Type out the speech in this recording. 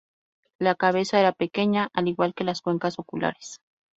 La cabeza era pequeña, al igual que las cuencas oculares.